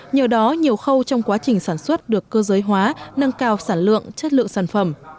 nhờ đó nhiều khâu trong quá trình sản xuất được cơ giới hóa nâng cao sản lượng chất lượng sản phẩm